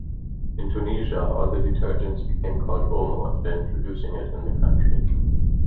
In Tunisia, all the detergents became called Omo after introducing it in the country.